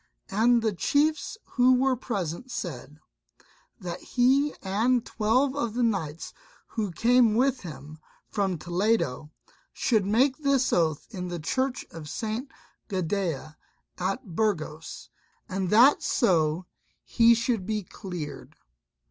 And the chiefs who were present said, that he and twelve of the knights who came with him from Toledo, should make this oath in the church at St. Gadea at Burgos, and that so he should be cleared.